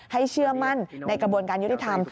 เชื่อมั่นในกระบวนการยุติธรรม